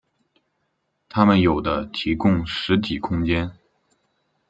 它们有的提供实体空间。